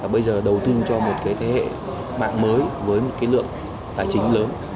bây giờ đầu tư cho một cái thế hệ mạng mới với một cái lượng tài chính lớn